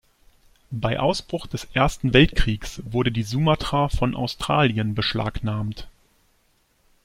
Bei Ausbruch des Ersten Weltkriegs wurde die „Sumatra“ von Australien beschlagnahmt.